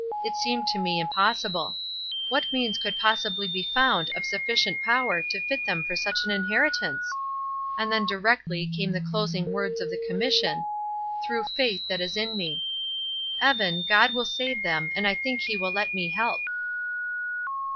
It seemed to me impossible. What means could possibly be found of sufficient power to fit them for such an inheritance? And then directly came the closing words of the commission: 'Through faith that is in me.' Evan, God will save them; and I think he will let me help."